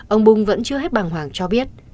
ông bung vẫn chưa hết bằng hoàng cho biết